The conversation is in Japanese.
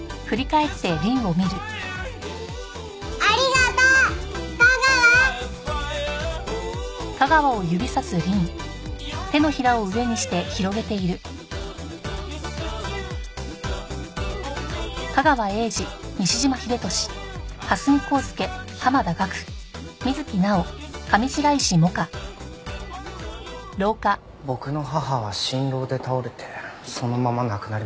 僕の母は心労で倒れてそのまま亡くなりました。